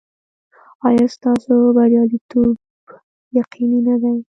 ایا ستاسو بریالیتوب یقیني نه دی؟